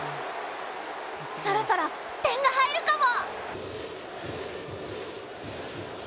そろそろ点が入るかも。